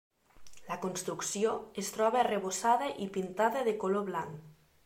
La construcció es troba arrebossada i pintada de color blanc.